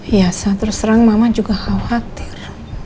iya saat terserang mama juga khawatir